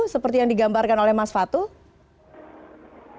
seperti yang digambarkan oleh mas fatul